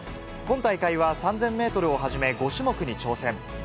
今大会は３０００メートルをはじめ、５種目に挑戦。